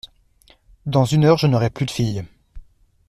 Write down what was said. Dans une heure, je n’aurai plus de fille !